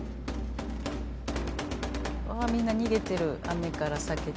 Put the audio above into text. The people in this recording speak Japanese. あみんな逃げてる雨から避けて。